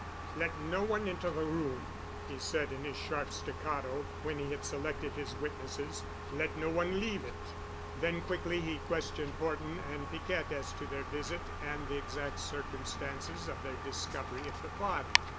"Let no one enter the room," he said in his sharp staccato, when he had selected his witnesses. "Let no one leave it." Then quickly he questioned Horton and Piquette as to their visit and the exact circumstances of their discovery of the body.